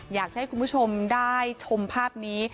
อยากจะให้คุณผู้ชมได้ชมภาพนี้